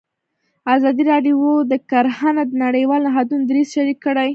ازادي راډیو د کرهنه د نړیوالو نهادونو دریځ شریک کړی.